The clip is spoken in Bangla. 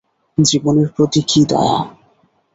জীবের প্রতি কী দয়া!